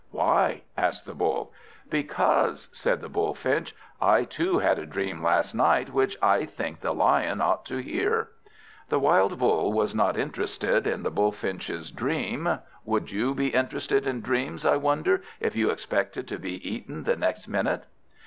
"Why?" asked the Bull. "Because," said the Bullfinch, "I too had a dream last night, which I think the Lion ought to hear." The wild Bull was not interested in the Bullfinch's dream; would you be interested in dreams, I wonder, if you expected to be eaten the next minute?